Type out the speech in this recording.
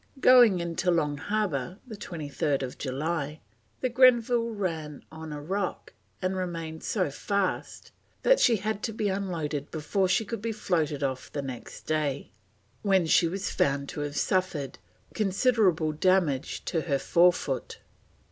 Going into Long Harbour, 23rd July, the Grenville ran on a rock and remained so fast that she had to be unloaded before she could be floated off the next day, when she was found to have suffered considerable damage to her forefoot.